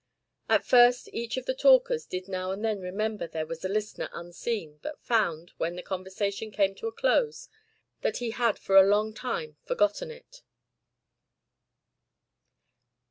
At first each of the talkers did now and then remember there was a listener unseen but found, when the conversation came to a close, that he had for a long time forgotten it.